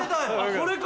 これか！